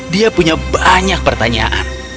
dia punya banyak pertanyaan